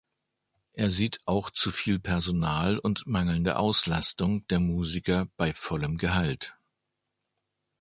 Er sieht auch zu viel Personal und mangelnde Auslastung der Musiker bei vollem Gehalt.